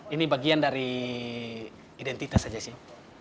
ini bagian dari identitas saja sih